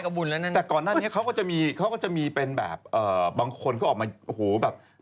ผมก็รู้สึกว่าคราชการก็มีหัวใจนะทำไมอะ